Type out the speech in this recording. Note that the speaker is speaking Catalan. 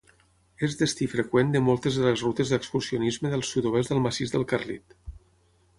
És destí freqüent de moltes de les rutes d'excursionisme del sud-oest del Massís del Carlit.